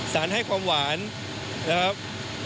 ให้ความหวานนะครับ